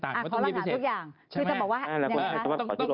ขอรังหาทุกอย่างคือจะบอกว่ายังไงคะ